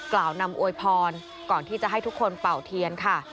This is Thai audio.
กล่าวนำอวยพรก่อนที่จะให้ทุกคนเป่าเทียนค่ะ